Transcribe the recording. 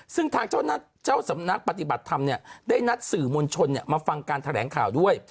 ซึ่งทางเจ้าสำนักปฏิบัติธรรมได้นัดสื่อมวลชนมาฟังการแถลงข่าวด้วย